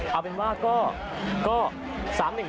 เอาเป็นว่าก็๓๑